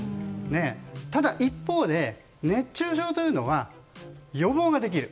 ただ、一方で熱中症は、予防ができる。